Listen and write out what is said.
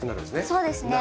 そうですね。